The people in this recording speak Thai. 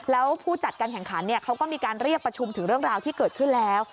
แล้วผู้จัดการแข่งขันเขาก็มีการเรียกประชุมถึงเรื่องราวที่เกิดขึ้นแล้ว